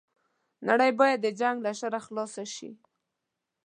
نړۍ بايد د جنګ له شره خلاصه شي